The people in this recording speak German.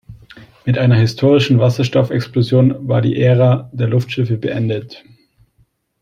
Mit einer historischen Wasserstoffexplosion war die Ära der Luftschiffe beendet.